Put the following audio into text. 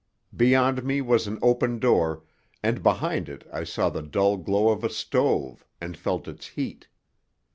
Beyond me was an open door, and behind it I saw the dull glow of a stove and felt its heat.